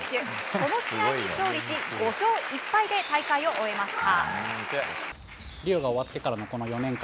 この試合に勝利し５勝１敗で大会を終えました。